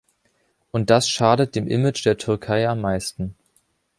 Und das schadet dem Image der Türkei am meisten.